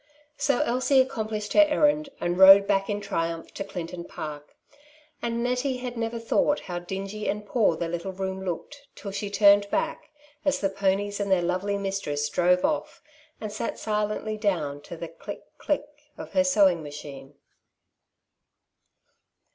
So Elsie accom plished her errand, and rode back in triumph to Clinton Park ; and Nettie had never thought how dingy and poor their little room looked, till she turned back, as the ponies and their lovely mistress drove off, and sat silently down to the click, click of her sewing machine.